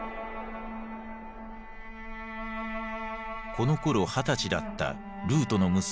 このころ二十歳だったルートの娘